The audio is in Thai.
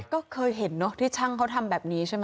ก็เคยเห็นเนอะที่ช่างเขาทำแบบนี้ใช่ไหม